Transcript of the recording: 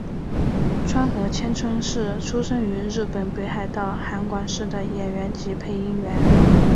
川合千春是出身于日本北海道函馆市的演员及配音员。